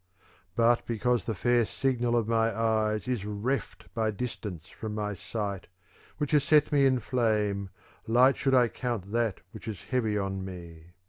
But because the fair signal of my eyes ' Is reft by distance from my sight, which has set me in flame, light should I count that which is heavy on me.